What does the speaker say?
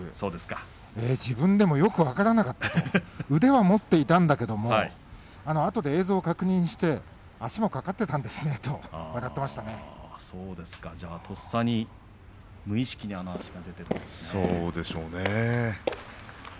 自分でもよく分からなかった腕を持っていたんですがあとで映像を確認して足がかかっていたんですねと無意識だったｎですね。